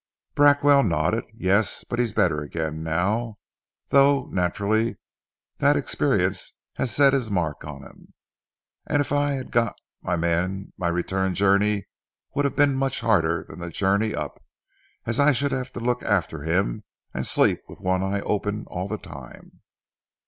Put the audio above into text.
Bracknell nodded. "Yes, but he's better again now; though naturally that experience has set its mark on him. And if I had got my man my return journey would have been much harder than the journey up, as I should have had to look after him; and sleep with one eye open all the time."